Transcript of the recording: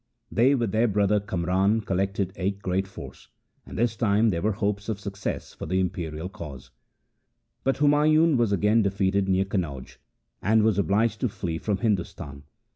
They with their brother Kamran col lected a great force, and this time there were hopes of success for the imperial cause, but Humayun was again defeated near Kanauj, and was obliged to flee from Hindustan.